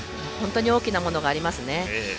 本当に大きなものがあります。